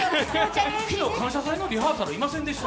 昨日、「感謝祭」のリハーサルいませんでした？